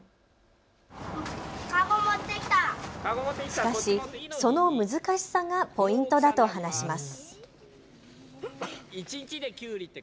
しかし、その難しさがポイントだと話します。